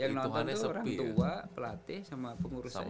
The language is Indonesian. yang nonton tuh orang tua pelatih sama pengurusan aja